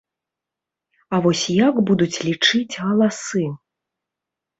А вось як будуць лічыць галасы?